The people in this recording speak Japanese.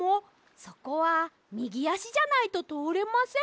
そこはみぎあしじゃないととおれません。